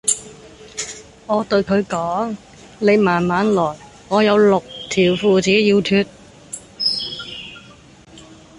我對佢講:你慢慢來,我有六條褲子要脫